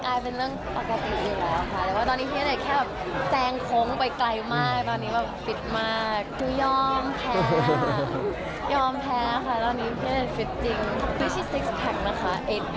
คือที่๖แพ็คนะคะ๘แพ็คค่ะ